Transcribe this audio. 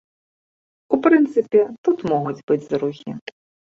У прынцыпе, тут могуць быць зрухі.